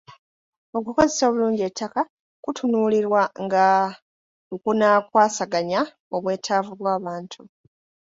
Okukozesa obulungi ettaka, kutunuulirwa nga okunaakwasaganya obwetaavu bw'abantu.